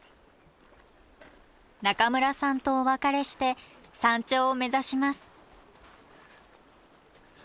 中村さんとお別れして山頂を目指します